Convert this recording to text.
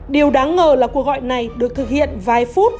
điều đáng ngờ là cuộc gọi này được thực hiện vài phút